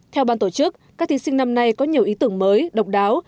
theo ban tổ chức các thí sinh năm nay có nhiều ý tưởng mới độc đáo